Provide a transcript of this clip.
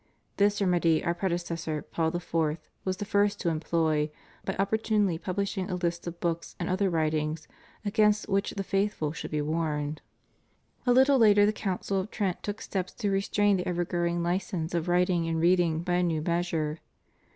This remedy Our predecessor, Paul IV., was the first to employ, by opportunely pub lishing a list of books and other writings against which the faithful should be warned. A little later the Council of Trent took steps to restrain the ever growing license of writing and reading by a new measure.